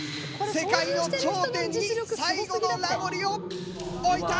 世界の頂点に最後のラゴリを置いた！